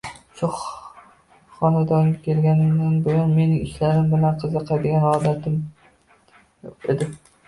Shu xonadonga kelganingdan buyon mening ishlarim bilan qiziqadigan odating yo`q edi